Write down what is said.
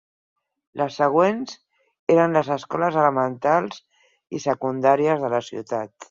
Les següents eren les escoles elementals i secundàries de la ciutat.